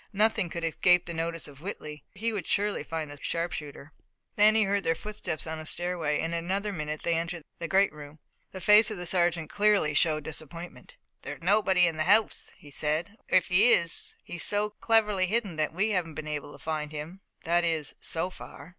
Nothing could escape the notice of Whitley, and he would surely find the sharpshooter. Then he heard their footsteps on a stairway and in another minute they entered the great room. The face of the sergeant clearly showed disappointment. "There's nobody in the house," he said, "or, if he is he's so cleverly hidden, that we haven't been able to find him that is so far.